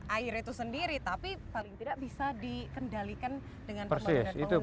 air itu sendiri tapi paling tidak bisa dikendalikan dengan pemantauan penurunan tadi ya pak